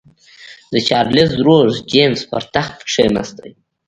د چارلېز ورور جېمز پر تخت کېناست.